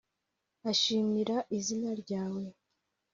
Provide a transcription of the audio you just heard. ashimira izina ryawe.